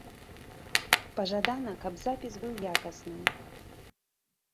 Пажадана, каб запіс быў якасным.